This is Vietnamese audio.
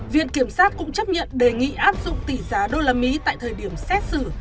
viện kiểm sát cũng chấp nhận đề nghị áp dụng tỷ giá đô la mỹ tại thời điểm xét xử